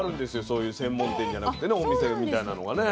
そういう専門店じゃなくてねお店みたいなのがね。